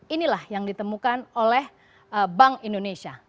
inilah yang ditemukan oleh bank indonesia